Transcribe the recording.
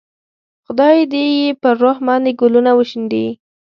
خدای دې یې پر روح باندې ګلونه وشیندي.